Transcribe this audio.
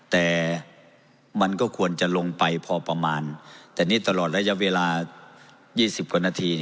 แต่มันก็ควรจะลงไปพอประมาณแต่นี่ตลอดระยะเวลา๒๐กว่านาที